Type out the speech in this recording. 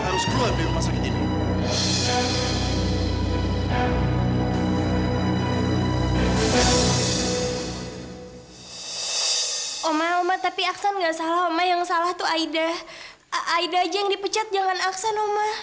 alhamdulillah ya san